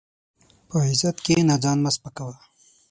په عزت کښېنه، ځان مه سپکاوه.